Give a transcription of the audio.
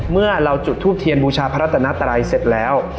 เมื่อเราจุดทูปเทียนบูชาพระรัตนาตรายเสร็จแล้ว